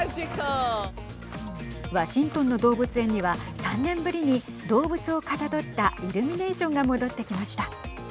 ワシントンの動物園には３年ぶりに動物をかたどったイルミネーションが戻ってきました。